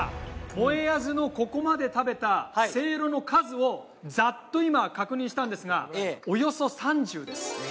もえあずのここまで食べたせいろの数をざっと今確認したんですがおよそ３０です。